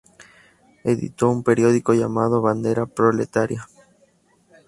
Editó un periódico llamado "Bandera Proletaria".